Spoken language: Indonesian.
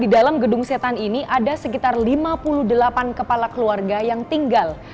di dalam gedung setan ini ada sekitar lima puluh delapan kepala keluarga yang tinggal